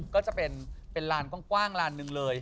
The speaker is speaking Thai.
ก็จะเป็นลานกว้างลานหนึ่งเลย